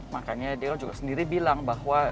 makanya dio juga sendiri bilang bahwa